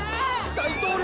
大統領！